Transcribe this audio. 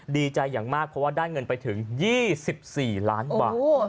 ดีใจอย่างมากเพราะว่าได้เงินไปถึง๒๔ล้านบาท